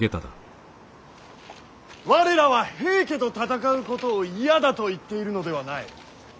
我らは平家と戦うことを嫌だと言っているのではない。